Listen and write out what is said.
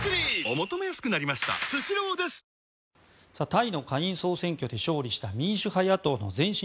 タイの下院総選挙で勝利した民主派野党の前進